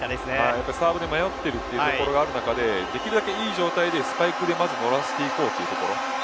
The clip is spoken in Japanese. サーブで迷っているというところがある中でできるだけいい状態でスパイクに乗らせていこうというところ。